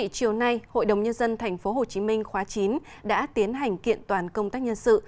chiều nay hội đồng nhân dân tp hcm khóa chín đã tiến hành kiện toàn công tác nhân sự